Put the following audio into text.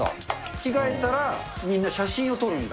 着替えたら、みんな写真を撮るんだ。